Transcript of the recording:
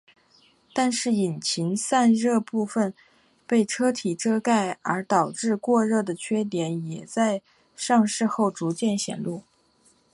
但是引擎散热部份被车体覆盖而导致过热的缺点也在上市后逐渐显露。